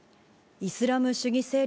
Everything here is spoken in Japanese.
イスラム主義勢力